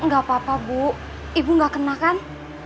nggak apa apa bu ibu gak kena kan